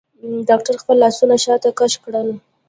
ډاکتر خپل لاسونه شاته کښ کړل.